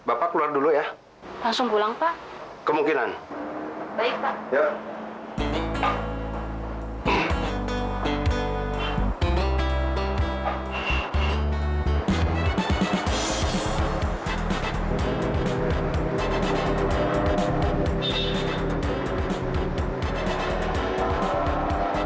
akan kutuntut orang tua itu